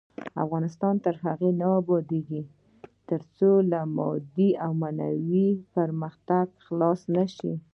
افغانستان تر هغو نه ابادیږي، ترڅو له مادي او معنوي پرمختګ خلاص نشو.